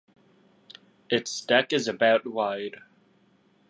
Its deck is about wide.